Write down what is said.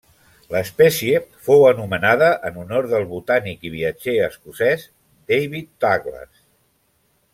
L'espècie fou anomenada en honor del botànic i viatger escocès David Douglas.